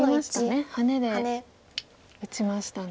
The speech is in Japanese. ハネで打ちましたね。